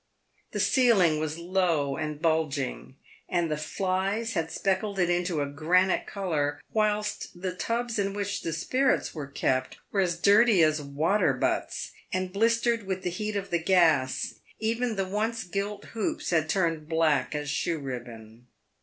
The ceiling was low and bulging, and the flies had speckled it into a granite colour, whilst the tubs in which the spirits were kept were as dirty as water butts, and blistered with the heat of the gas — even the once gilt hoops had turned black as shoe ribbon.